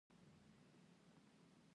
دخوا خوګۍ